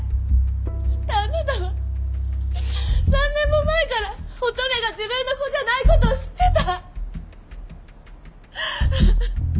きっとあなたは３年も前から乙女が自分の子じゃない事を知ってた！